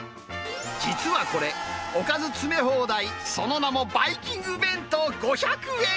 実はこれ、おかず詰め放題、その名もバイキング弁当５００円。